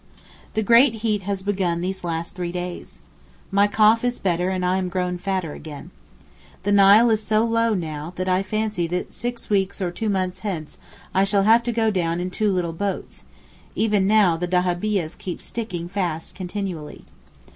The great heat has begun these last three days. My cough is better and I am grown fatter again. The Nile is so low that I fancy that six weeks or two months hence I shall have to go down in two little boats—even now the dahabiehs keep sticking fast continually.